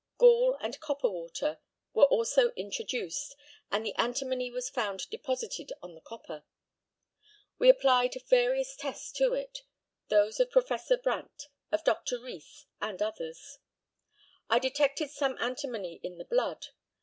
Gall and copper water were also introduced, and the antimony was found deposited on the copper. We applied various tests to it those of Professor Brandt, of Dr. Rees, and others. I detected some antimony in the blood.